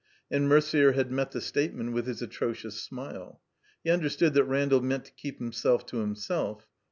And Merder had met the statement with his atrodous smile. He understood that Randall meant to keep himself to himself.